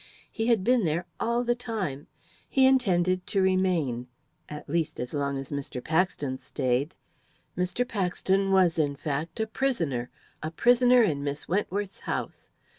He had been there all the time. He intended to remain, at least, as long as Mr. Paxton stayed. Mr. Paxton was, in fact, a prisoner a prisoner in Miss Wentworth's house.